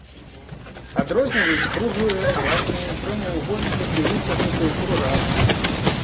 Адрозніваюць круглыя, авальныя, прамавугольныя і выцягнутыя курганы.